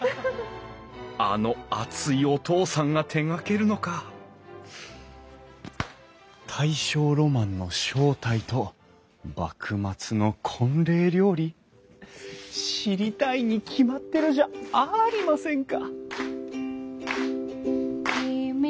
あの熱いお父さんが手がけるのか大正ロマンの正体と幕末の婚礼料理知りたいに決まってるじゃありませんか！